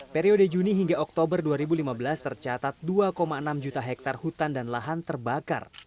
periode juni hingga oktober dua ribu lima belas tercatat dua enam juta hektare hutan dan lahan terbakar